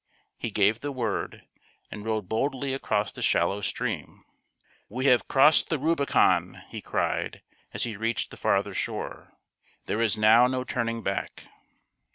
He gave the word, and rode boldly across the shallow stream. " We have crossed the Rubicon," he cried as he CROSSING THE RUBICON 21$ reached the farther shore. " There is now no turn ing back."